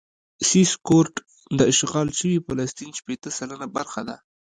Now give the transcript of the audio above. سي سیکټور د اشغال شوي فلسطین شپېته سلنه برخه ده.